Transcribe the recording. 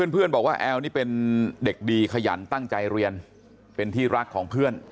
เพื่อนบอกว่าแอลนี่เป็นเด็กดีขยันตั้งใจเรียนเป็นที่รักของเพื่อน